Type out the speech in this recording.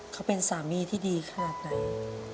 เขาเป็นสามีที่ดีขนาดไหน